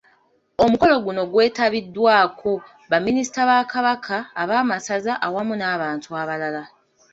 Omukolo guno gwetabiddwako baminisita ba Kabaka, ab'amasaza awamu n’abantu abalala.